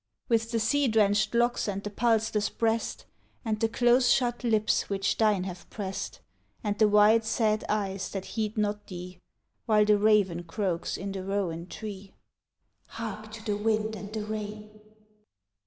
_) With the sea drenched locks and the pulseless breast And the close shut lips which thine have pressed And the wide sad eyes that heed not thee, While the raven croaks in the rowan tree. (_Hark to the wind and the rain.